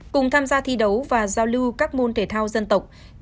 cùng tham gia thi đấu và giao lưu các môn thể thao dân tộc